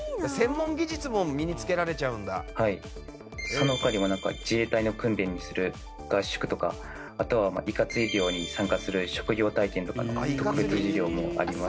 その他にも自衛隊の訓練をする合宿とかあとはイカ釣り漁に参加する職業体験とかの特別授業もあります。